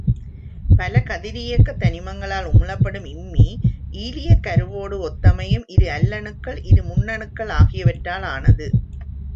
பல கதிரியக்கத் தனிமங்களால் உமிழப்படும் இம்மி, ஈலியக் கருவோடு ஒத்தமையும் இரு அல்லணுக்கள் இரு முன்னணுக்கள் ஆகியவற்றாலானது.